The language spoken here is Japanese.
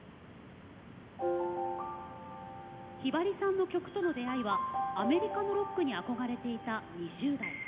ひばりさんの曲との出会いはアメリカのロックに憧れていた２０代。